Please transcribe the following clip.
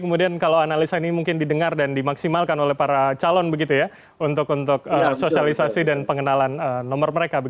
kemudian kalau analisa ini mungkin didengar dan dimaksimalkan oleh para calon begitu ya untuk sosialisasi dan pengenalan nomor mereka